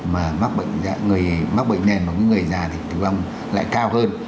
mà mắc bệnh nền của người già thì tử vong lại cao hơn